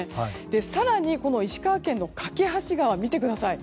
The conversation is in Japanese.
更に石川県の梯川見てください。